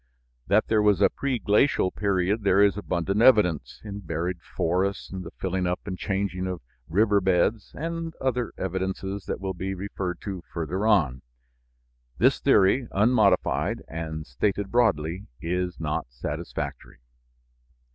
That there was a preglacial period there is abundant evidence, in buried forests, the filling up and changing of river beds, and other evidences that will be referred to further on. This theory, unmodified and stated broadly, is not satisfactory.